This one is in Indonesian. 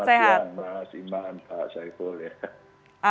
selamat siang mas iman pak syai fulhuda